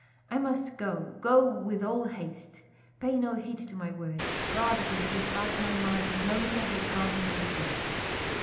I must go, go with all haste! Pay no heed to my words, God will give back my mind the moment I have gone through the gate."